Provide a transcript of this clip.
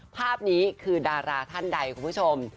ภาพนี้คือดาราท่านใดคุณผู้ชม